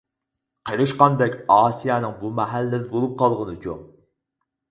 قېرىشقاندەك ئاسىيەنىڭ بۇ مەھەللىدە بولۇپ قالغىنىچۇ؟ !